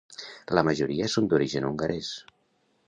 La majoria són d'origen hongarés.